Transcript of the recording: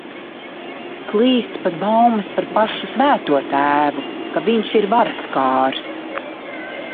Klīst pat baumas par pašu Svēto Tēvu, ka viņš ir varaskārs!